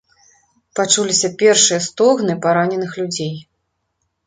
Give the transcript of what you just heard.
Пачуліся першыя стогны параненых людзей.